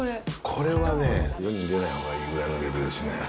これはね、世に出ないほうがいいぐらいのレベルですね。